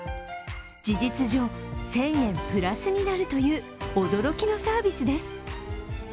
事実上、１０００円プラスになるという驚きのサービスです。